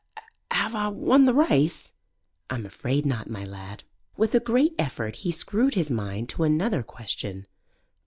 "Have A' won th' race?" "I'm afraid not, my lad." With a great effort he screwed his mind to another question.